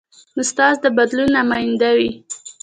استاد د بدلون نماینده وي.